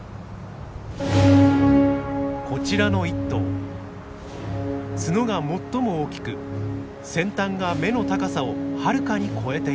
こちらの１頭角が最も大きく先端が目の高さをはるかに越えています。